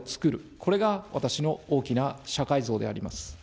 これが私の大きな社会像であります。